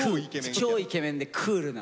超イケメンでクールな。